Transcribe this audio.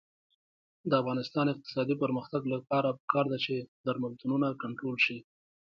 د افغانستان د اقتصادي پرمختګ لپاره پکار ده چې درملتونونه کنټرول شي.